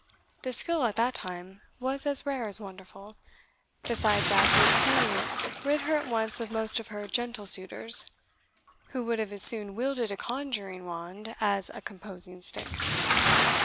The skill, at that time, was as rare as wonderful; besides that the expedient rid her at once of most of her gentle suitors, who would have as soon wielded a conjuring wand as a composing stick.